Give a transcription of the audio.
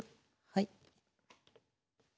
はい。